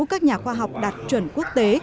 các nhà khoa học đạt chuẩn quốc tế